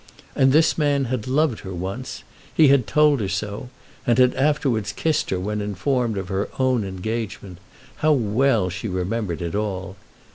And this man had loved her once. He had told her so, and had afterwards kissed her when informed of her own engagement. How well she remembered it all.